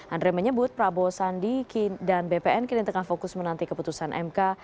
andre menyebut prabowo sandi dan bpn kini tengah fokus menanti keputusan mk